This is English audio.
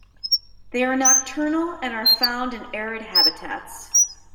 They are nocturnal and are found in arid habitats.